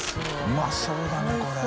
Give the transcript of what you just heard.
うまそうだねこれ。